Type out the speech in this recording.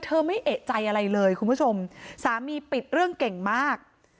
ไม่เอกใจอะไรเลยคุณผู้ชมสามีปิดเรื่องเก่งมาก